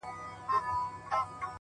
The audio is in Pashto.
د لرې غږونو نرمه څپه د شپې برخه وي،